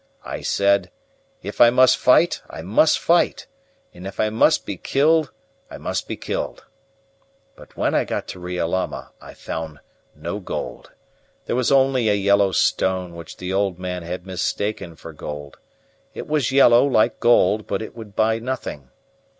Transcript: I said: 'If I must fight I must fight, and if I must be killed I must be killed.' But when I got to Riolama I found no gold. There was only a yellow stone which the old man had mistaken for gold. It was yellow, like gold, but it would buy nothing.